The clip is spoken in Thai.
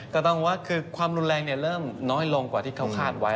ก็ต้องว่าคือความรุนแรงเริ่มน้อยลงกว่าที่เขาคาดไว้